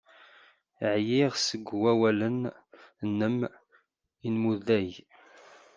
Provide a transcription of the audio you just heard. Ɛyiɣ seg wawalen-nnem inmudag.